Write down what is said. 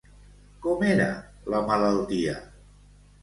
Com era la malaltia?